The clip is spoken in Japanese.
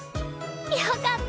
よかった！